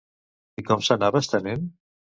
I com s'anava estenent?